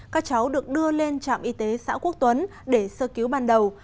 các cháu được đưa lên trạm y tế xã quốc tuấn để sơ cứu ban đầu